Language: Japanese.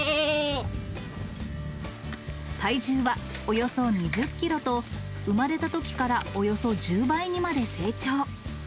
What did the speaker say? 体重はおよそ２０キロと、生まれたときからおよそ１０倍にまで成長。